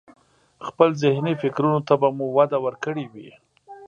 خپل ذهني فکرونو ته به مو وده ورکړي وي.